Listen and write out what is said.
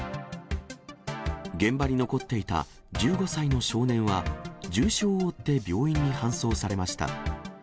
現場に残っていた１５歳の少年は重傷を負って病院に搬送されました。